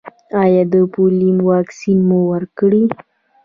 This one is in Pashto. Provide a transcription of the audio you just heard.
ایا د پولیو واکسین مو ورکړی؟